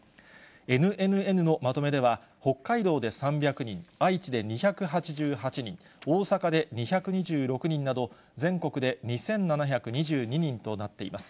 ＮＮＮのまとめでは、北海道で３００人、愛知で２８８人、大阪で２２６人など、全国で２７２２人となっています。